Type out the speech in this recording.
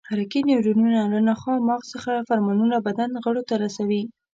حرکي نیورونونه له نخاع او مغز څخه فرمانونه بدن غړو ته رسوي.